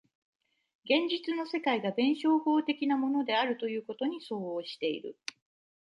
現実の世界が弁証法的なものであるということに相応している。